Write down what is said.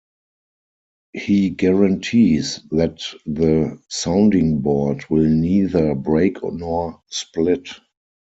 He guarantees that the sounding-board will neither break nor split.